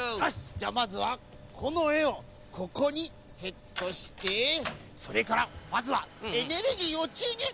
じゃあまずはこのえをここにセットしてそれからまずはエネルギーをちゅうにゅう！